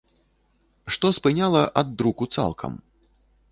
Што спыняла ад друку цалкам?